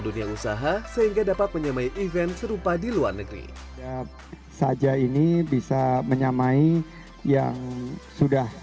dunia usaha sehingga dapat menyamai event serupa di luar negeri saja ini bisa menyamai yang sudah